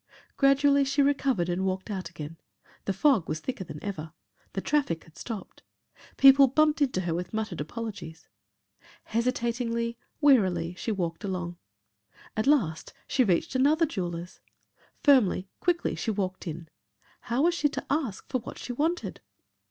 Gradually she recovered and walked out again. The fog was thicker than ever. The traffic had stopped. People bumped into her with muttered apologies. Hesitatingly, wearily, she walked along. At last, she reached another jeweller's. Firmly, quickly she walked in. How was she to ask for what she wanted?